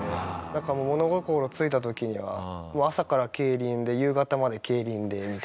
だから物心ついた時には朝から競輪で夕方まで競輪でみたいな。